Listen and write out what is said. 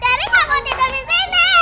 sherry gak mau tidur disini